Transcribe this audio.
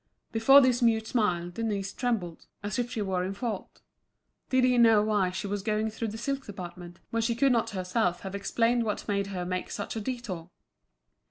Before this mute smile, Denise trembled, as if she were in fault. Did he know why she was going through the silk department, when she could not herself have explained what made her make such a détour.